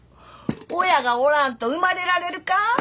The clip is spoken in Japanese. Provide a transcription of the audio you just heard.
親がおらんと生まれられるか？